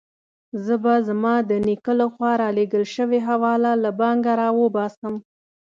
زه به زما د نیکه له خوا رالېږل شوې حواله له بانکه راوباسم.